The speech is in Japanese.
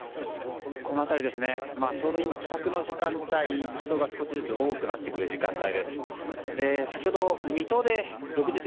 この辺り、ちょうど今帰宅の時間帯で人が少しずつ多くなってくる時間帯です。